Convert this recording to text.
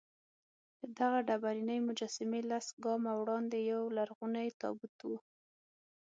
له دغه ډبرینې مجسمې لس ګامه وړاندې یولرغونی تابوت و.